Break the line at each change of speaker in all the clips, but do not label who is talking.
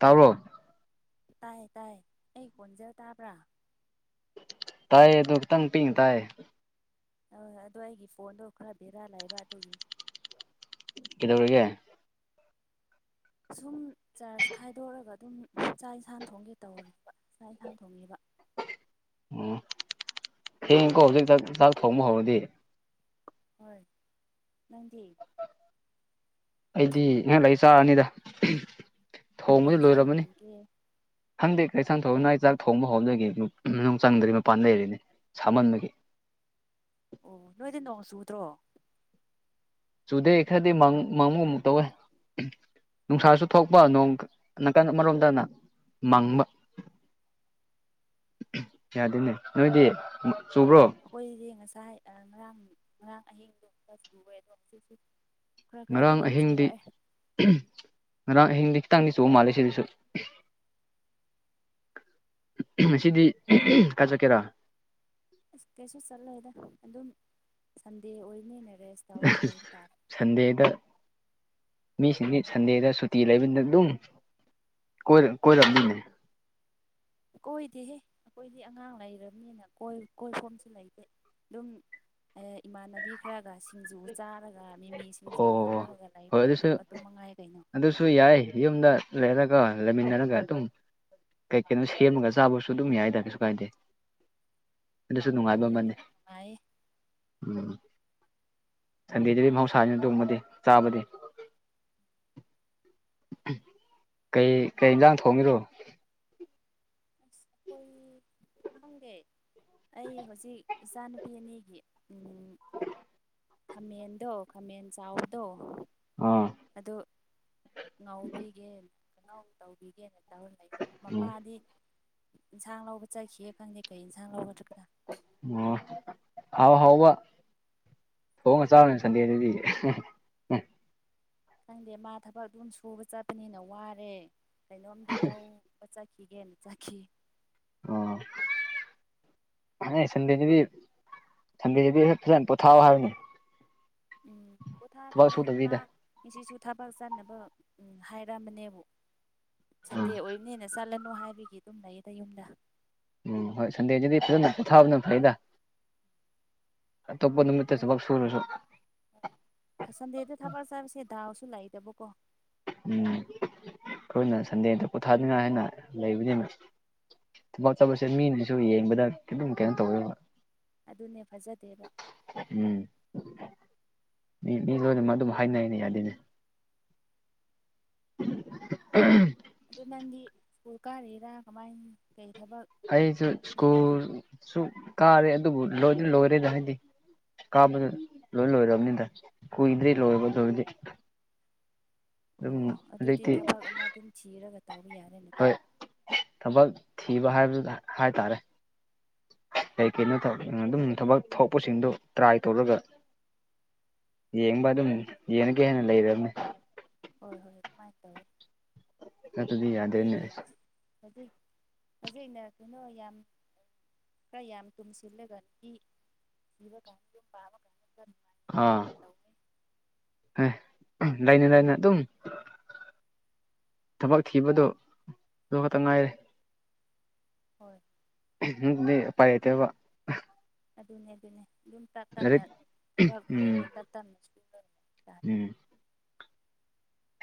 ꯇꯥꯔꯣ
ꯇꯥꯏ ꯇꯥꯏ ꯑꯩ ꯀꯣꯟꯖ ꯇꯥꯕ꯭ꯔꯥ
ꯇꯥꯏꯌꯦ ꯑꯗꯨ ꯈꯤꯇꯪ ꯄꯤꯛꯏꯦ ꯇꯥꯏ
ꯑꯣꯏ ꯑꯗꯣ ꯑꯩꯒꯤ ꯐꯣꯟꯗꯣ ꯈꯔ ꯕꯦꯔꯥꯜ ꯂꯩꯕ ꯑꯗꯨꯒꯤ
ꯏꯗꯧꯒ
ꯁꯨꯝ ꯆꯥꯔꯁ ꯈꯥꯏꯗꯣꯛꯑꯒ ꯑꯗꯨꯝ ꯆꯥꯛ ꯌꯦꯟꯁꯥꯡ ꯊꯣꯡꯒꯦ ꯇꯧꯔꯤꯕ ꯆꯥꯛ ꯌꯦꯟꯁꯥꯡ ꯊꯣꯡꯉꯦꯕ
ꯑꯣ ꯊꯦꯡꯉꯤꯀꯣ ꯍꯧꯖꯤꯛꯥꯛ ꯆꯥꯛ ꯊꯣꯡꯕ ꯍꯧꯔꯗꯤ
ꯍꯣꯏ ꯅꯗꯤ
ꯑꯩꯗꯤ ꯉꯍꯥꯛ ꯂꯩꯏ ꯆꯥꯔꯅꯤꯗ
ꯀꯩ
ꯊꯣꯡꯕꯁꯨ
ꯏꯟꯁꯥꯡ
ꯂꯣꯏꯔꯝꯃꯅꯤ
ꯊꯣꯡꯒꯦ
ꯍꯪꯗꯛ ꯀꯩꯁꯥꯡꯊꯣꯡꯅ ꯆꯥꯛ ꯊꯣꯡꯕ ꯍꯣꯡꯕꯗꯒꯤ ꯃꯅꯨꯡ ꯆꯪꯗ꯭ꯔꯔꯤ ꯃꯄꯥꯟ ꯂꯩꯔꯤꯅꯤ ꯁꯥꯃꯟꯕꯒꯤ
ꯑꯣ ꯅꯣꯏꯗꯤ ꯅꯣꯡ ꯆꯨꯗ꯭ꯔꯣ
ꯆꯨꯗꯦ ꯈꯔꯗꯤ ꯃꯃꯨ ꯑꯃꯨꯛ ꯇꯧꯋꯦ ꯅꯨꯡꯁꯥꯁꯨ ꯊꯣꯛꯄ ꯅꯣꯡ ꯅꯥꯀꯟ ꯑꯃꯔꯣꯝꯗꯅ ꯃꯪꯕ ꯌꯥꯗꯣꯏꯅꯦ ꯅꯣꯏꯗꯤ ꯆꯨꯕ꯭ꯔꯣ
ꯑꯩꯈꯣꯏꯁꯦ ꯉꯁꯥꯏ ꯉꯔꯥꯡ ꯉꯔꯥꯡ ꯑꯍꯤꯡꯗꯣꯛꯇꯁꯨ ꯂꯨꯔꯦ ꯑꯗꯣ ꯉꯁꯤꯁꯦ
ꯉꯔꯥꯡ ꯑꯍꯤꯡꯗꯤ ꯉꯔꯥꯡ ꯑꯍꯤꯡꯗꯤ ꯈꯤꯇꯪꯗꯤ ꯆꯨꯕ ꯃꯥꯜꯂꯤꯦ ꯁꯤꯗꯁꯨ ꯉꯁꯤꯗꯤ ꯀ ꯆꯠꯀꯦꯔꯥ
ꯑꯁ ꯀꯩꯁꯨ ꯆꯠꯂꯦꯗ ꯑꯗꯨꯝ ꯁꯟꯗꯦ ꯑꯣꯏꯅꯤꯅ ꯔꯦꯁ ꯇꯧꯔꯒ ꯂꯩꯕ ꯇꯥꯔꯦ
ꯁꯟꯗꯦꯗ ꯃꯤꯁꯤꯡꯗꯤ ꯁꯟꯗꯦꯗ ꯁꯨꯇꯤ ꯂꯩꯕꯅꯤꯅ ꯑꯗꯨꯝ ꯀꯣꯏꯔꯅꯤꯅꯦ
ꯀꯣꯏꯗꯦꯍꯦ ꯑꯩꯈꯣꯏꯗꯤ ꯑꯉꯥꯡ ꯂꯩꯔꯕꯅꯤꯅꯣꯏ ꯀꯣꯏꯐꯝꯁꯨ ꯂꯩꯇꯦ ꯑꯗꯨꯝ ꯏꯃꯥꯟꯅꯕꯤ ꯈꯔꯒ ꯁꯤꯡꯖꯨ ꯆꯥꯔꯒ ꯃꯤꯃꯤ ꯁꯤꯡꯁꯨ
ꯑꯣ
ꯆꯥꯔꯒ
ꯍꯣꯏ ꯑꯗꯨꯁꯨ
ꯂꯩꯕꯗꯣ ꯑꯗꯨ ꯑꯗꯨꯝ ꯃꯉꯥꯏ ꯀꯩꯅꯣ
ꯑꯗꯨꯁꯨ ꯌꯥꯏ ꯌꯨꯝꯗ ꯂꯩꯗ ꯀ ꯂꯩꯦꯃꯤꯅꯒꯌꯥ ꯇꯨ ꯀꯩ ꯀꯩꯅꯣ ꯁꯦꯝꯃꯒ ꯆꯥꯕꯁꯨ ꯑꯗꯨꯝ ꯌꯥꯏꯗ ꯀꯩꯁꯨ ꯀꯥꯏꯗꯦ ꯑꯗꯨꯁꯨ ꯅꯨꯡꯉꯥꯏꯕ
ꯑꯗꯨꯅ
ꯑꯃꯅꯤ
ꯍꯦꯟꯅ ꯅꯨꯡꯉꯥꯏꯌꯦ
ꯎꯝ ꯁꯟꯗꯦꯗꯨꯗꯤ ꯃꯍꯧꯁꯥꯁꯤꯅ ꯇꯣꯡꯕꯗꯤ ꯆꯥꯕꯗꯤ ꯀꯩ ꯀꯩ ꯏ ꯂꯥꯡ ꯊꯣꯡꯉꯔꯣ
ꯑꯁ ꯑꯩꯈꯣꯏ ꯈꯪꯗꯦ ꯑꯩ ꯍꯧꯖꯤꯛ ꯏꯆꯥꯅꯨꯄꯤ ꯑꯅꯤꯒꯤ
ꯎ
ꯈꯥꯃꯦꯟꯗꯣ ꯈꯥꯃꯦꯟ ꯆꯥꯎꯗꯣ
ꯑ
ꯑꯗꯨ ꯉꯥꯎꯕꯤꯒꯦ ꯀꯩꯅꯧ ꯇꯧꯕꯤꯒꯦꯅ ꯇ ꯂꯩ
ꯎꯝ
ꯃꯄꯥꯗꯤ ꯏꯟꯁꯥꯡ ꯂꯧꯕ ꯆꯠꯈꯤꯑ ꯈꯪꯗꯦ ꯀꯩ ꯏꯟꯁꯥꯡ ꯂꯧꯒꯗꯒꯗ
ꯑꯣ ꯑꯥꯎ ꯍꯥꯎ ꯋꯥ ꯊꯣꯡꯉꯒ ꯆꯥꯎꯔꯅꯦ ꯁꯟꯗꯦꯗꯨꯗꯤ
ꯈꯪꯗꯦ ꯃꯥ ꯊꯕꯛꯇꯣ ꯑꯗꯨꯝ ꯁꯨꯕ ꯆꯠꯄꯅꯤꯅ ꯋꯥꯔꯦ ꯀꯩꯅꯣꯝꯗ ꯂꯧꯕ ꯆꯠ ꯍꯤꯒꯅ ꯆꯈꯈꯤ
ꯑꯣ ꯍ ꯁꯟꯗꯦꯗꯨꯗꯤ ꯁꯟꯗꯦꯗꯨꯗꯤ ꯐꯖꯅ ꯄꯣꯊꯥꯑꯣ ꯍꯥꯏꯕꯅꯤ
ꯎꯝ
ꯊꯕꯛ
ꯄꯣꯊꯥꯕꯒꯤꯅꯦ ꯃꯥ
ꯁꯨꯗꯕꯤꯗ
ꯉꯁꯤꯁꯨ ꯊꯕꯥꯛ ꯆꯥꯅꯕ ꯎꯝ ꯍꯥꯏꯔꯛꯑꯝꯕꯅꯦꯕꯨ
ꯎꯝ
ꯁꯟꯗꯦ ꯑꯣꯏꯕꯅꯦꯅ ꯆꯠꯂꯅꯨ ꯍꯥꯏꯕꯒꯤ ꯑꯗꯨꯝ ꯂꯩꯌꯦꯗ ꯌꯨꯝꯗ
ꯎꯝ ꯍꯣꯏ ꯁꯟꯗꯦꯁꯤꯗꯤ ꯐꯖꯅ ꯄꯣꯊꯥꯕꯅ ꯐꯩꯗ ꯑꯇꯣꯞꯄ ꯅꯨꯃꯤꯠ ꯁꯨꯕꯛ ꯁꯨꯔꯁꯨ
ꯁꯟꯗꯦꯗ ꯊꯕꯜ ꯆꯥꯕꯁꯦ ꯗꯥꯎꯁꯨ ꯂꯥꯛꯏꯇꯕꯀꯣ
ꯎꯝ ꯑꯩꯈꯣꯏꯅ ꯁꯟꯗꯦ ꯑꯝꯇ ꯄꯣꯊꯥꯅꯤꯡꯉꯥꯏ ꯍꯥꯏꯅ ꯂꯩꯕꯅꯤꯅ ꯊꯕꯥꯛ ꯆꯠꯄꯁꯦ ꯃꯤꯅꯁꯨ ꯌꯦꯡꯕꯗ ꯈꯤꯇꯝ ꯀꯩꯅꯣ ꯇꯧꯋꯦꯕ
ꯑꯗꯨꯅꯦ ꯐꯖꯗꯦꯕ
ꯎꯝ ꯃꯤ ꯃꯤ ꯂꯣꯏꯅꯃꯛ ꯑꯗꯨꯝ ꯍꯥꯏꯅꯩꯅ ꯌꯥꯗꯅꯦ ꯎꯝ
ꯑꯗ ꯅꯪꯗꯤ ꯁ꯭ꯀꯨꯜ ꯀꯥꯔꯤꯔꯥ ꯀꯃꯥꯏꯅ ꯀꯩ ꯊꯕꯛ
ꯑꯩꯁꯨ
ꯁꯨꯔꯤꯒꯦ
ꯁ꯭ꯀꯨꯜ ꯁ ꯀꯥꯔꯦ ꯑꯗꯨꯕꯨ ꯂꯣꯏ ꯂꯣꯏꯔꯦꯗ ꯍꯥꯏꯗꯤ ꯀꯥꯕꯗ ꯂꯣꯏ ꯂꯣꯏꯔꯕꯅꯤꯗ ꯀꯨꯏꯗ꯭ꯔꯔꯤ ꯂꯣꯏꯕꯔꯗꯤ
ꯑꯣ ꯑꯣ ꯑꯗꯨꯗꯤ
ꯍꯧꯖꯤꯛꯇꯤ
ꯊꯕꯛ ꯑꯃ ꯑꯗꯨꯝ ꯊꯤꯔꯒ ꯇꯧꯕ ꯌꯥꯒꯅ
ꯍꯣꯏ ꯊꯕꯛ ꯊꯤꯕ ꯍꯥꯏꯕ ꯍꯥꯏꯇꯥꯔꯦ ꯀꯩ ꯀꯅꯣ ꯑꯗꯨꯝ ꯊꯕꯛ ꯊꯣꯛꯄꯁꯤꯡꯗꯣ ꯇ꯭ꯔꯥꯏ ꯇꯧꯔꯒ ꯌꯦꯡꯕ ꯑꯗꯨꯝ ꯌꯦꯡꯉꯒꯦ ꯍꯦꯟꯅ ꯂꯩꯅꯤ
ꯍꯣꯏ ꯍꯣꯏ ꯑꯗꯨꯃꯥꯏꯅ ꯇꯧꯋ
ꯑꯗꯨꯗꯤ ꯌꯥꯗ꯭ꯔꯦꯅꯦ
ꯅꯣꯏꯒꯤ ꯑꯁ ꯍꯧꯖꯤꯛ ꯐꯖꯤꯛꯅ ꯀꯩꯅꯣ ꯌꯥꯝ ꯌꯥꯝ ꯇꯃꯤ ꯁꯤꯜꯂꯦꯒꯒꯤ ꯏꯕ ꯀꯅꯤ ꯄꯥꯃ ꯀ
ꯑꯥ ꯂꯩꯥꯏꯅꯦ ꯂꯩꯥꯏꯅ ꯑꯗꯨꯝ ꯊꯕꯛ ꯊꯤꯕꯗꯨ ꯑꯗꯨ ꯈꯛꯇ ꯉꯥꯏꯔꯦ
ꯍꯣꯏ
ꯎꯝ ꯄꯔꯦꯇꯦꯕ
ꯑꯗꯨꯅꯦ ꯑꯗꯨꯅꯦ ꯑꯗꯨꯝ ꯇꯞ ꯇꯞꯅ
ꯂꯥꯏꯔꯤꯛ
ꯊꯕꯥꯛ
ꯎꯝ
ꯐꯪꯉꯒ ꯇꯞ ꯇꯞꯅꯁꯨ
ꯎꯝ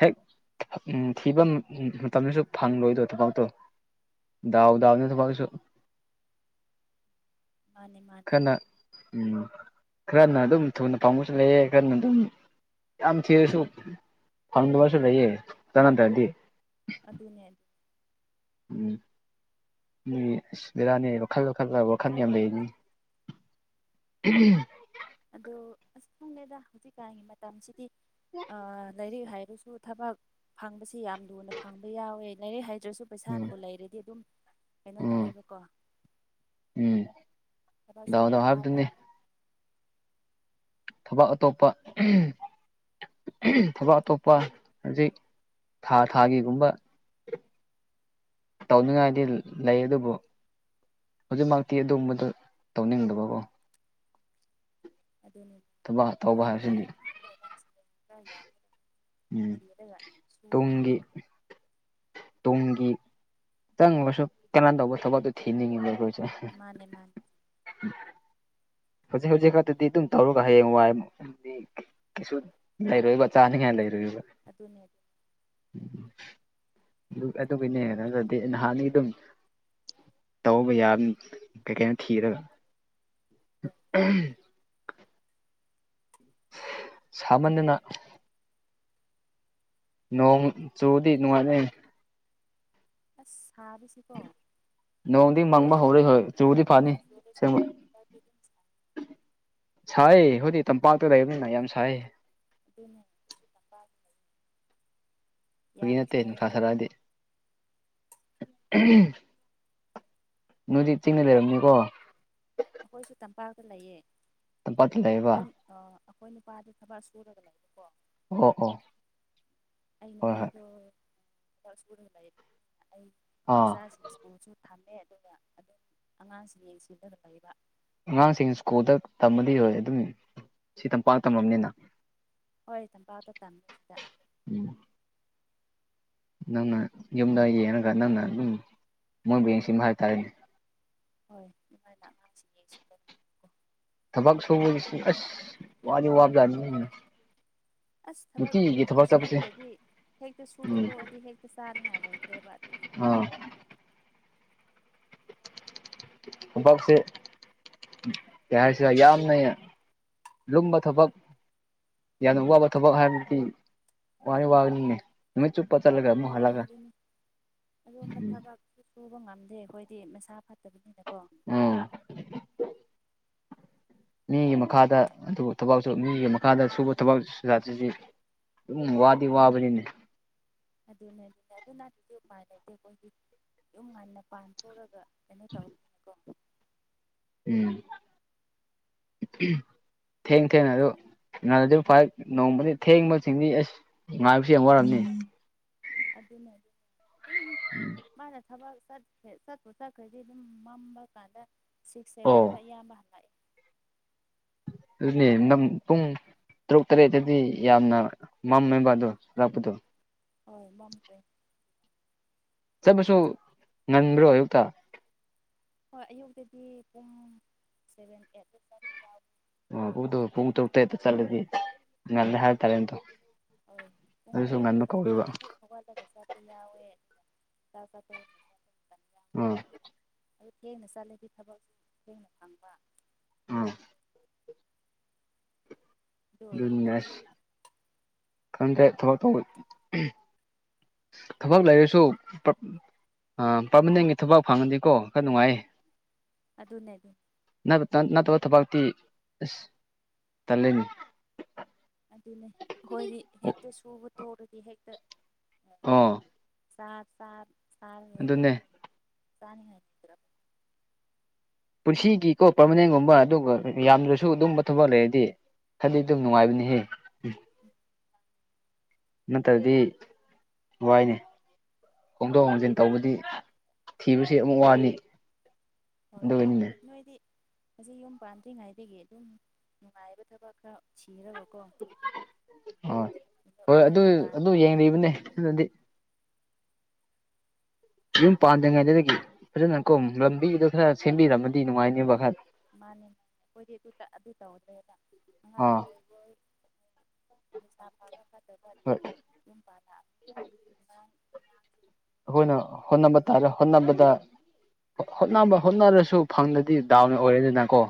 ꯍꯦꯛ ꯊꯤꯕ ꯃꯇꯝꯗꯁꯨ ꯐꯪꯂꯪꯂꯣꯏꯗꯣ ꯊꯕꯛꯇꯣ ꯗꯥꯎꯗꯥꯎꯅꯦ ꯊꯁꯨ
ꯃꯥꯅꯦ ꯃꯥꯅꯦ
ꯎꯝ ꯈꯔꯅ ꯑꯗꯨꯝ ꯊꯨꯅ ꯄꯥꯡꯕꯁꯨ ꯂꯩꯌꯦꯦ ꯈꯔꯅ ꯑꯗꯨꯝ ꯌꯥꯝ ꯊꯁꯨ ꯐꯟꯗꯕꯁꯨ ꯂꯩꯌꯦ ꯆꯗꯗꯤ
ꯑꯗꯨꯅꯦ ꯑꯗꯨ
ꯎꯝ ꯕꯤꯔꯥꯅꯤ ꯋꯥꯈꯜ ꯋꯥꯈꯜꯗ ꯋꯥꯈꯜ ꯌꯥꯝ ꯂꯩ ꯎꯝ
ꯑꯗꯣ ꯑꯁ ꯈꯪꯉꯦꯗ ꯍꯧꯖꯤꯛꯀꯥꯟꯒꯤ ꯃꯇꯝꯁꯤꯗꯤ ꯑ ꯂꯩꯥꯏꯔꯤꯛ ꯍꯥꯏꯔꯁꯨ ꯊꯕꯛ ꯐꯪꯕꯁꯤ ꯌꯥꯝ ꯂꯨꯅ ꯐꯪꯕ ꯌꯥꯎꯋꯦ ꯂꯥꯏꯔꯤꯛ ꯍꯩꯗ꯭ꯔꯁꯨ
ꯎꯝ
ꯄꯩꯁꯥꯅꯕꯨ ꯂꯩꯔꯗꯤ ꯑꯗꯨꯝ ꯀꯩꯅꯣ
ꯎꯝ
ꯇꯧꯋꯦꯕꯀꯣ
ꯎꯝ
ꯊꯕꯛꯁꯤ
ꯗꯥꯎ ꯗꯥꯎ
ꯌꯥꯝ ꯂꯥꯏ ꯂꯥꯏ
ꯍꯥꯏꯕꯗꯨꯅꯤ ꯊꯕꯛ ꯑꯇꯣꯞꯄ ꯊꯕꯛ ꯑꯇꯣꯞꯄ ꯍꯧꯖꯤꯛ ꯊꯥ ꯊꯥꯒꯤꯒꯨꯝꯕ ꯇꯧꯅꯤꯡꯉꯥꯏꯗꯤ ꯂꯩ ꯑꯗꯨꯕꯨ ꯍꯧꯖꯤꯛꯃꯛꯇꯤ ꯑꯗꯨꯒꯕꯗꯣ ꯇꯧꯅꯤꯡꯗꯕꯀꯣ
ꯑꯗꯨꯅꯤ
ꯇꯧꯕ
ꯊꯕꯛ
ꯍꯥꯏꯕꯁꯤꯗꯤ
ꯈꯔꯅꯉꯥꯏꯗꯀꯥꯟꯁꯤꯗꯗꯤ ꯈꯔ ꯌꯥꯝꯃ
ꯎꯝ
ꯆꯤꯔꯒ ꯆ
ꯇꯨꯡꯒꯤ ꯇꯨꯡꯒꯤ ꯆꯪꯕꯁꯨ ꯀꯅꯥꯅ ꯇꯧꯕ ꯊꯕꯛꯇꯣ ꯊꯤꯅꯤꯡꯉꯤꯕ ꯑꯩꯈꯣꯏꯁꯦ
ꯃꯥꯅꯦ ꯃꯥꯅꯦ
ꯍꯧꯖꯤꯛ ꯍꯧꯖꯤꯛ ꯈꯛꯇꯗꯤ ꯑꯗꯨꯝ ꯇꯧꯔꯒ ꯍꯌꯦꯡ ꯋꯥꯏꯗꯤ ꯂꯩꯔꯣꯏꯕ ꯆꯥꯅꯤ ꯀ ꯂꯩꯔꯣꯏꯕ
ꯑꯗꯨꯅꯦ
ꯑꯗꯨꯒꯤꯅꯦ ꯑꯗꯨꯗꯤ ꯅꯍꯥꯟꯒꯤ ꯑꯗꯨꯝ ꯇꯧꯕ ꯌꯥ ꯀꯩ ꯀꯩꯅꯣ ꯊꯤꯔꯒ ꯁꯃꯅꯅ ꯅꯣꯡ ꯆꯨꯗꯤ ꯅꯨꯡꯉꯥꯏꯅꯩ
ꯑꯁ ꯁꯥꯔꯤꯨꯁꯤꯀꯣ
ꯅꯣꯡꯗꯤ ꯃꯪꯕ ꯍꯧꯔꯛꯏ ꯍꯣꯏ ꯆꯨꯗꯤ ꯐꯅꯤ
ꯅꯣꯡ ꯆꯨꯔꯁꯨ ꯍꯟꯗꯛꯇꯤ ꯑꯗꯨꯝ ꯁꯥ
ꯁꯦꯝꯦꯡꯕ ꯁꯥꯏ ꯑꯩꯈꯣꯢꯗꯤ ꯇꯝꯄꯥꯛꯇ ꯂꯩꯕꯅꯤꯅ ꯌꯥꯝ ꯁꯥꯏ
ꯑꯗꯨ ꯇ [inaudible]
ꯐꯥꯒꯤ ꯅꯠꯇꯦ ꯅꯨꯡꯁꯥ
ꯁꯥꯏꯌꯦꯕ
ꯁꯥꯔꯛꯑꯗꯤ ꯅꯣꯢꯗꯤ ꯆꯤꯡꯅ ꯂꯩꯔꯝꯅꯤꯀꯣ
ꯑꯩꯈꯣꯏꯁꯨ ꯇꯝꯄꯥꯛꯇ ꯂꯩꯌꯦ
ꯇꯝꯄꯥꯛꯇ ꯂꯩꯕ
ꯑ ꯑꯩꯈꯣꯏ ꯅꯨꯄꯥꯗꯤ ꯊꯕꯛ ꯁꯨꯔꯒ ꯂꯩꯕꯀꯣ
ꯑꯣ ꯑꯣ [inaudible]
ꯑꯩ
ꯍꯣꯏ ꯍꯣꯏ
ꯅꯨꯄꯥꯗꯣ ꯁꯨꯗ ꯂꯩꯔꯦ ꯑꯩ
ꯑꯥ
ꯏꯆꯥꯁꯤꯡ ꯁ꯭ꯀꯨꯜꯁꯨ [inaudible] ꯊꯝꯃꯦ ꯑꯗꯨꯒ ꯑꯗꯨꯝ ꯑꯉꯥꯡꯁꯤꯡ ꯌꯦꯡꯁꯤꯟꯕꯅ ꯐꯩꯕ
ꯑꯉꯥꯡꯁꯤꯡ ꯁ꯭ꯀꯨꯜꯗ ꯇꯝꯃꯗꯤ ꯍꯣꯏ ꯑꯗꯨꯝ ꯁꯤ ꯇꯝꯄꯥꯛ ꯇꯝꯃꯕꯅꯤꯅ
ꯍꯣꯏ ꯇꯝꯄꯥꯛꯇ ꯇꯝꯃꯦ
ꯎꯝ ꯅꯪꯅ ꯌꯨꯝꯗ ꯌꯦꯡꯉꯒ ꯅꯪꯅ ꯑꯗꯨꯝ ꯃꯣꯏꯕꯨ ꯌꯦꯡꯁꯤꯟꯕ ꯍꯥꯏꯇꯥꯔꯦꯅꯦ
ꯍꯣꯏ ꯑꯩꯈꯣꯏꯅ ꯑꯉꯥꯡꯁꯤꯡ ꯌꯦꯡꯁꯤꯗ [inaudible]
ꯊꯕꯛ ꯁꯨꯕꯁꯦ ꯑꯁ ꯋꯥꯗꯤ ꯋꯥꯕꯖꯥꯠꯅꯤ
ꯑꯁ ꯊꯕꯛ
ꯅꯨꯡꯇꯤꯒꯤ ꯊꯕꯛ ꯆꯠꯄꯁꯦ
ꯁꯨꯗ꯭ꯔꯗꯤ ꯍꯦꯛꯇ ꯁꯨꯕ
ꯎꯝ
ꯇꯣꯛꯑꯗꯤ ꯍꯦꯛꯇ ꯆꯥꯅꯤꯡꯉꯥꯏ ꯂꯩꯇ꯭ꯔꯦꯕ ꯑꯗꯨ
ꯑ ꯑꯣꯄꯥꯁꯦ [inaudible] ꯀꯩ ꯍꯥꯏꯁꯤꯔꯥ ꯌꯥꯝꯅ ꯂꯨꯝꯕ ꯊꯕꯛ ꯌꯥꯝꯅ ꯋꯥꯕ ꯊꯕꯛ ꯍꯥꯏꯕꯗꯤ ꯋꯥ ꯋꯥꯅꯤꯅꯦ [inaudible] ꯅꯨꯃꯤꯠ ꯆꯨꯞꯄ ꯆꯠꯂꯒ ꯑꯃꯨꯛ
ꯍꯣꯏ
ꯍꯜꯂꯒ
ꯑꯗꯨꯅꯤ ꯑꯗꯨꯒꯨꯝꯕ ꯊꯕꯛꯁꯨ ꯁꯨꯕ ꯉꯝꯗꯦ ꯑꯩꯈꯣꯏꯗꯤ ꯃꯁꯥ ꯐꯠꯇꯕꯅꯤꯅꯀꯣ
ꯎꯝ [inaudible] ꯃꯤꯒꯤ ꯃꯈꯥꯗ ꯑꯗꯨꯕꯨ ꯊꯕꯛꯁꯨ ꯃꯤꯒꯤ ꯃꯈꯥꯗ ꯁꯨꯕ ꯊꯕꯛ ꯖꯥꯠꯁꯤꯗꯤ ꯑꯗꯨꯝ ꯋꯥꯗꯤ ꯋꯥꯕꯅꯤꯅꯦ
ꯑꯗꯨꯅꯦ ꯑꯗꯨꯅꯦ ꯑꯗꯨ ꯅꯠꯇ꯭ꯔꯗꯤ ꯎꯄꯥꯢ ꯂꯩꯇꯦ ꯑꯩꯈꯣꯏꯗꯤ ꯌꯨꯝ ꯉꯟꯅ ꯄꯥꯟꯊꯣꯛ ꯎꯔꯒ ꯀꯩꯅꯣ ꯇꯧꯕ ꯀꯣ
ꯎꯝ ꯎꯝ ꯊꯦꯡ ꯊꯦꯡꯅ ꯑꯗꯨ ꯅꯥꯟꯗꯤ ꯐꯥꯏ ꯅꯣꯡꯃꯗꯤ ꯊꯦꯡꯕꯁꯤꯡꯗꯤ ꯑꯁ [inaudible] ꯉꯥꯏꯕꯁꯦ ꯌꯥꯝ ꯋꯥꯔꯝꯅꯤ
ꯑꯗꯨꯅꯦ ꯑꯗꯨꯝ
ꯎꯝ [inaudible]
ꯃꯥꯅ ꯊꯕꯛ ꯆꯠꯈ꯭ꯔꯦ ꯆꯠꯄꯨ ꯆꯠꯈ꯭ꯔꯗꯤ ꯑꯗꯨꯝ ꯃꯝꯕ ꯀꯥꯟꯗ ꯁꯤꯛꯁ ꯁꯚꯦꯟꯗ
ꯑꯣ
ꯑꯌꯥꯝꯕ ꯍꯜꯂꯛꯑꯦ
ꯑꯗꯨꯅꯦ ꯅꯪ ꯄꯨꯡ ꯇꯔꯨꯛ ꯇꯔꯦꯠꯇꯗꯤ ꯌꯥꯝꯅ ꯃꯝꯃꯦꯕ ꯑꯗꯣ ꯍꯜꯂꯄꯗꯣ
ꯍꯣꯏ ꯃꯝꯈ꯭ꯔꯦ
ꯆꯠꯄꯁꯨ ꯉꯟꯕ꯭ꯔꯣ ꯑꯌꯨꯛꯇ
ꯍꯣꯏ ꯑꯌꯨꯛꯇꯗꯤ ꯄꯨꯡ ꯁꯚꯦꯟ ꯑꯩꯠꯇ [inaudible]
ꯑꯣ ꯎꯗꯨ ꯄꯨꯡ ꯇꯔꯨꯛꯇꯦꯛꯇ ꯆꯠꯂꯗꯤ ꯉ ꯍꯥꯏꯇꯥꯔꯦꯇꯣ [inaudible]
ꯍꯣꯏ ꯄꯨꯡ ꯇꯔꯨꯛ ꯐꯦ ꯆꯥ ꯄꯦꯌꯥ ꯏ [unintelligible] ꯁꯣꯏꯗ ꯉꯁꯄꯤ ꯌꯥꯎꯋꯦ [unintelligible]
ꯎꯝ
ꯑꯗꯣ ꯊꯦꯡꯅ ꯆꯠꯂꯗꯤ ꯊꯕꯛ ꯊꯦꯡꯅ ꯐꯪꯕ
ꯎꯝ
ꯑꯗꯨ ꯑꯣꯏꯅ
ꯕꯤꯖꯤꯅꯦꯁ ꯈꯪꯗꯦ ꯊꯕꯛ ꯊꯧꯕ [unintelligible] ꯊꯕꯛ ꯂꯩꯔꯁꯨ ꯄꯥꯔꯃꯅꯦꯟꯒꯤ ꯊꯕꯛ ꯐꯪꯉꯗꯤꯀꯣ ꯈꯔ ꯅꯨꯡꯉꯥꯏꯌꯦ
ꯑꯗꯨꯅꯦ ꯑꯗꯨ
ꯅꯠꯇꯕ ꯊꯕꯇꯤ ꯑꯁ ꯇꯜꯂꯤꯅꯤ
ꯑꯗꯨꯅꯦ ꯑꯩꯈꯣꯏꯗꯤ ꯍꯦꯛꯇ ꯁꯨꯕ ꯇꯧꯔꯗꯤ ꯍꯦꯛꯇ
ꯑꯥ
ꯁꯥ ꯁꯥꯔ ꯁꯥꯔ
ꯑꯗꯨꯅꯦ
ꯑꯣꯏꯁꯅꯤ ꯍꯥꯏꯔ
ꯄꯨꯟꯁꯤꯒꯤꯀꯣ ꯄꯔꯃꯅꯦꯟꯒꯨꯝꯕ ꯑꯗꯨꯒ ꯌꯥꯝꯗ꯭ꯔꯁꯨ ꯑꯗꯨꯝꯕ ꯊꯕꯛ ꯂꯩꯔꯗꯤ ꯈꯗꯤ ꯑꯗꯨꯝ ꯅꯨꯡꯉꯥꯏꯕꯅꯤꯍꯦ
ꯎꯝ
ꯅꯠꯇꯔ꯭ꯗꯤ ꯋꯥꯏꯅꯦ ꯍꯣꯡꯗꯣꯛ ꯍꯣꯡꯖꯤꯟ ꯇꯧꯕꯗꯤ ꯊꯤꯕꯁꯤ ꯑꯃꯨꯛ ꯋꯥꯅꯤ
ꯍꯣꯏ ꯑꯗꯨ
ꯑꯗꯨꯒꯤꯅꯤꯅꯦ
ꯅꯣꯏꯗꯤ ꯍꯧ ꯌꯨꯝ ꯄꯥꯟꯗ꯭ꯔꯤꯉꯩꯗꯒꯤ ꯑꯗꯨꯝ ꯅꯨꯡꯉꯥꯏꯕ ꯊꯕꯛ ꯈꯔ ꯁꯤꯔꯕꯀꯣꯣ ꯐꯖꯅ ꯄꯥ
ꯌꯦꯡ ꯏꯕꯅꯦ ꯑꯗꯨꯗꯤ ꯌꯨꯝ ꯄꯥꯟꯗ꯭ꯔꯤꯉꯩꯗꯨꯗꯒꯤ ꯐꯖꯅ ꯀꯣ ꯂꯝꯕꯤꯗꯣ ꯈꯔ ꯁꯦꯝꯕꯤꯔꯝꯃꯗꯤ ꯅꯨꯡꯉꯥꯏꯅꯤꯕ ꯈꯔ
ꯃꯥꯅꯦ ꯃꯥꯅꯦ ꯑꯩꯈꯣꯏꯗꯤ ꯑꯗꯨ ꯑꯗꯨ ꯇꯧꯗ꯭ꯔꯦꯕ ꯑꯉꯥꯡ
ꯑꯥ
ꯑꯣꯏ ꯒꯣꯏ ꯅꯤꯁꯥ ꯐꯥꯕ ꯐꯖꯕꯅꯤ
ꯍꯣꯏ
ꯑꯗꯨꯨꯝꯕ ꯂ ꯑ
ꯑꯩꯈꯣꯏꯅ ꯍꯣꯠꯅꯕ ꯇꯥꯔꯦ ꯍꯣꯠꯅꯕꯗ ꯍꯣꯠꯅꯕ ꯍꯣꯠꯅꯔꯁꯨ ꯐꯪꯗꯗꯤ ꯗꯥꯎꯟ ꯑꯣꯏꯔꯦꯗꯅ ꯀꯣ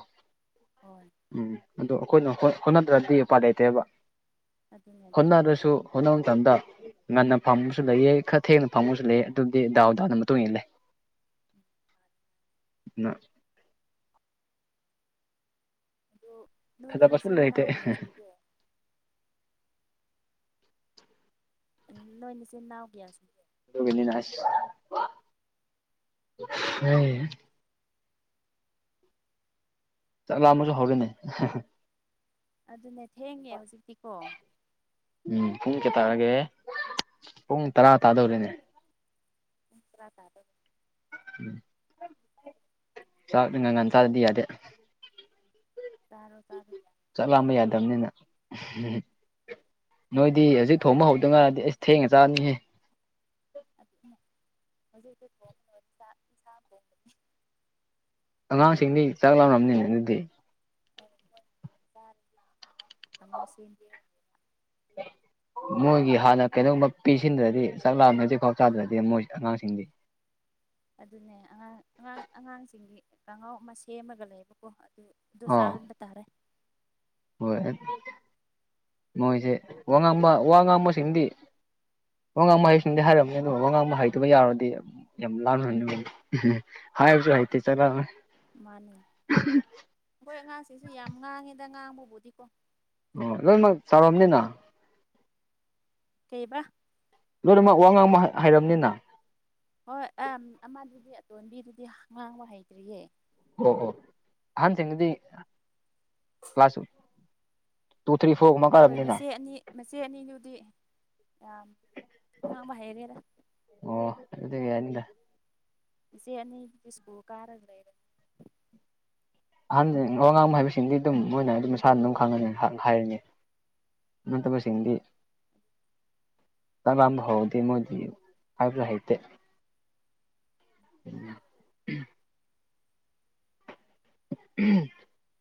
ꯍꯣꯏ
ꯎꯝ ꯑꯗꯣ ꯑꯩꯈꯣꯏꯅ ꯍꯣꯠꯅꯗ꯭ꯔꯗꯤ ꯎꯄꯥꯏ ꯂꯩꯇꯦꯕ
ꯑꯗꯨꯅꯦ ꯑꯗꯨ
ꯍꯣꯠꯅ꯭ꯔꯁꯨ ꯍꯣꯠꯅꯕ ꯃꯇꯝꯗ ꯉꯟꯅ ꯐꯝꯕꯁꯨ ꯂꯩꯌꯦ ꯈꯔ ꯊꯦꯡꯅ ꯐꯪꯉꯁꯨ ꯂꯩ ꯑꯗꯨꯗꯤ ꯗꯥꯎ ꯗꯥꯎꯗ ꯃꯇꯨꯡ ꯏꯟꯅ ꯂꯩ
ꯎꯝ
[inaudible]
ꯑꯗꯣ ꯅꯣꯏꯗꯤ
ꯐꯖꯕꯁꯨ
ꯃꯆꯤꯟ
ꯂꯩꯇꯦ
ꯅꯥꯎ ꯀꯌꯥ ꯁꯨꯒꯦ ꯅꯣꯏ ꯅꯆꯦ ꯅꯥꯎ ꯀꯌꯥꯁꯨ
ꯍ ꯆꯥꯛ ꯂꯥ ꯑꯃꯁꯨ ꯍꯧꯔꯅꯤ
ꯑꯗꯨꯅꯦ ꯊꯦꯡꯉꯦ ꯍꯧꯖꯤꯛꯇꯤꯀꯣ
ꯎꯝ ꯄꯨꯡ ꯀꯌꯥ ꯇꯥꯔꯒꯦ ꯄꯨꯡ ꯇꯔꯥ ꯇꯥꯗꯧꯔꯤꯅꯦ
ꯆꯨꯡ ꯇ꯭ꯔꯥ ꯇꯥꯗ
ꯆꯥꯛ ꯉꯉꯥꯟ ꯆꯥꯗꯗꯤ ꯌꯥꯗꯦ
ꯆꯥꯔꯣ ꯇꯥꯔꯣ ꯌꯥꯦ
ꯌꯥꯕꯅꯤꯅ ꯎ
ꯑꯩꯁꯨ
ꯅꯣꯏꯗꯤ
ꯑꯩꯁꯨ
ꯍꯧꯖꯤꯛ
ꯆꯥꯛ
ꯊꯣꯡꯕ
ꯂꯥꯝꯕ
ꯍꯧꯗ
ꯌꯥꯅꯤ
ꯉꯔꯗꯤ ꯑꯁ ꯊꯦꯡꯉ ꯆꯥꯔꯅꯤꯍꯦ
ꯑꯗꯨꯅꯦ ꯍꯧꯖꯤꯛ ꯍꯧꯖꯤꯛ ꯊꯣꯡꯕꯅꯅꯤ ꯏꯁꯥ ꯊꯣꯡꯕꯅꯤ
ꯑꯉꯥꯡꯁꯤꯡꯗꯤ ꯆꯥꯛ ꯂꯥꯎꯔꯔꯕꯅꯤꯅꯦ ꯑꯗꯨꯗꯤ
ꯍꯣꯏꯣꯏꯔꯦ ꯈꯪꯉꯎꯁꯤꯗꯤꯦ
ꯏꯝ ꯃꯣꯏꯒꯤ ꯍꯥꯟꯅ ꯀꯩꯒꯨꯝꯕ ꯄꯤꯁꯤꯟꯗ꯭ꯔꯗꯤ ꯆꯥꯛ ꯂꯥꯅ ꯍꯧꯖꯤꯛꯐꯥꯎ ꯆꯥꯗ꯭ꯔꯗꯤ ꯃꯣꯏ ꯑꯉꯥꯡꯁꯤꯡꯗꯤ
ꯑꯗꯨꯅꯦ ꯑꯉꯥꯡ ꯑꯉꯥꯡ ꯑꯉꯥꯡꯁꯤꯡꯒꯤ ꯀꯥꯡꯉꯥꯎ ꯑꯃ ꯁꯦꯝꯃꯒ ꯂꯩꯌꯦꯕꯀꯣ ꯑꯗꯨ ꯗꯨ
ꯑꯥ
ꯆꯥꯍꯟꯕ ꯇꯥꯔꯦ
ꯍꯣꯏ ꯃꯣꯏꯁꯦ ꯋꯥ ꯉꯥꯡꯕ ꯋꯥ ꯉꯥꯡꯕꯁꯤꯡꯗꯤ꯫ ꯋꯥꯉꯥꯡꯕ ꯍꯩꯕꯁꯤꯡꯗꯤ ꯍꯥꯏꯔꯝꯅꯤ ꯑꯗꯨ ꯋꯥꯉꯥꯡꯕ ꯍꯩꯇꯕ ꯌꯧꯔꯗꯤ ꯌꯥꯝ ꯂꯥꯟꯅ [unintelligible] ꯍꯅꯤꯡꯕꯅꯤ꯫ ꯍꯥꯏꯕꯁꯨ ꯍꯩꯇ‌ꯦ [unintelligible]
ꯃꯥꯅꯦ ꯃꫭꯏ ꯑꯉꯥꯡꯁꯤꯁꯨ ꯌꯥꯝ ꯉꯥꯡꯉꯤꯗ ꯉꯥꯡꯕꯕꯨꯗꯤꯀꯣ꯫
ꯑꯣ ꯂꯣꯏꯅꯃꯛ ꯆꯥꯎꯔꯝꯅꯤꯅ꯫
ꯀꯩꯕ꯫
ꯂꯣꯏꯅꯃꯛ ꯋꯥ ꯉꯥꯡꯕ ꯍꯥꯏꯔꯝꯅꯤꯅ꯫
ꯍꯣꯏ ꯑꯝ ꯑꯃꯗꯨꯗꯤ ꯑꯇꯣꯟꯕꯤꯗꯨꯗꯤ ꯉꯥꯡꯕ ꯍꯩꯇ꯭ꯔꯤꯌꯦ꯫
ꯑꯣ ꯑꯣ ꯑꯍꯟꯁꯤꯡꯗꯤ ꯀ꯭ꯂꯥꯁ ꯇꯨ ꯊ꯭ꯔꯤ ꯐꯣꯔ ꯒꯨꯝꯕ
ꯍꯣꯏ ꯃꯆꯦ ꯑꯅꯤ ꯃꯆꯦ ꯑꯅꯤꯗꯨꯗꯤ ꯌꯥꯝ ꯉꯥꯡꯕ ꯍꯩꯔꯦꯗ
ꯑꯣ ꯑꯗꯨꯗꯤ ꯌꯥꯅꯤꯗ
ꯏꯆꯦ ꯑꯅꯤꯗꯨꯗꯤ ꯁ꯭ꯀꯨꯜ ꯀꯥꯔꯒ ꯂꯩꯔꯦ
ꯑꯍꯟ ꯋꯥ ꯉꯥꯡꯕ ꯍꯥꯏꯕꯁꯤꯡꯗꯤ ꯑꯗꯨꯝ ꯃꯣꯏꯅ ꯑꯗꯨꯝ ꯃꯁꯥꯅ ꯑꯗꯨꯝ ꯈꯪꯉꯅꯤꯅ ꯍꯥꯏꯔꯅꯤ ꯅꯠꯇꯕ ꯁꯤꯡꯗꯤ ꯇꯔꯝꯕ [unintelligible] ꯍꯧꯔꯗꯤ ꯃꯣꯏꯗꯤ ꯍꯥꯏꯕꯁꯨ ꯍꯩꯇꯦ ꯎꯝꯝ [unintelligible]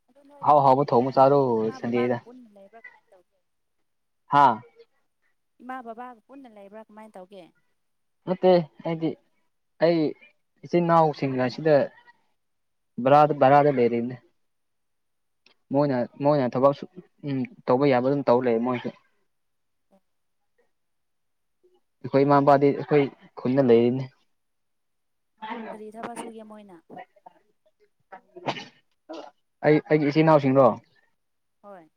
ꯑꯗꯨ
ꯍꯥꯎ ꯍꯥꯎꯕ ꯊꫭꯡꯕ ꯆꯥꯔꫭ ꯁꯟꯗꯤꯅꯤꯅ
ꯀꯝꯟ [unintelligible] ꯂꯩꯕꯔꯥ ꯀꯃꯅ ꯇꯧꯒꯦ
ꯍꯥꯥ
ꯏꯃꯥ ꯕꯕꯥꯒ ꯄꯨꯟꯅ ꯂꯩꯕ꯭ꯔꯥ ꯀꯃꯥꯏꯅ ꯇꯧꯒꯦ
ꯅꯠꯇꯦ ꯑꯩꯗꯤ ꯑꯩ ꯏꯆꯤꯟ ꯏꯅꯥꯎꯁꯤꯡꯒ ꯁꯤꯗ ꯕꯔꯗꯥ ꯕꯔꯗꯥ ꯂꯩꯔꯤꯅꯦ ꯃꯣꯏꯅ ꯃꯣꯏꯅ ꯊꯕꯛꯁꯨ ꯎꯝ ꯇꯧꯕ ꯌꯥꯕ ꯑꯗꯨꯝ ꯇꯧ ꯂꯩ ꯃꯣꯏꯁꯨ
ꯑꯣ
ꯑꯩꯈꯣꯏ ꯏꯃꯥ ꯃꯄꯥꯗꯤ ꯑꯩꯈꯣꯏ ꯈꯨꯟꯅ ꯂꯩꯔꯤꯅꯤ
ꯑꯣ ꯀꯔꯤ ꯊꯕꯛ ꯁꯨꯒꯦ ꯃꯣꯏꯅ
ꯑꯩ ꯑꯩꯒꯤ ꯏꯆꯤꯟ ꯏꯅꯥꯎꯁꯤꯡꯔꫭ
ꯍꯣꯏ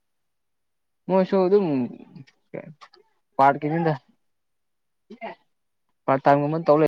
ꯃꯣꯏꯁꯨ ꯑꯗꯨꯝ ꯄꯥꯠ ꯀꯤꯅꯤꯗ ꯄꯥꯔꯠ ꯇꯥꯏꯝꯒꯨꯝꯕ ꯇꯧ ꯂꯩ